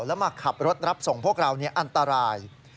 แล้วมาขับรถรับส่งพวกเราอันตราย